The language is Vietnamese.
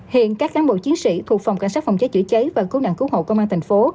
hiện các cán bộ chiến sĩ thuộc phòng cảnh sát phòng cháy chữa cháy và cứu nạn cứu hộ công an thành phố